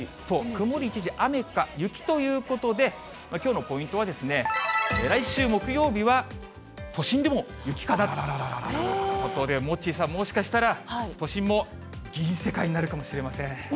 そう、曇り一時雨か雪ということで、きょうのポイントは、来週木曜日は都心でも雪かなということで、モッチーさん、もしかしたら都心も銀世界になるかもしれません。